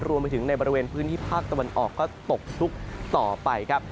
รวมไปถึงในบริเวณพื้นที่ภาคตะวันออกก็ตกชุกต่อไปครับ